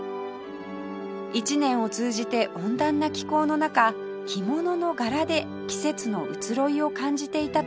一年を通じて温暖な気候の中着物の柄で季節の移ろいを感じていたといわれています